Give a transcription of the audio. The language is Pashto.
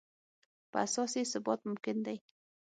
په اساس یې ثبات ممکن دی.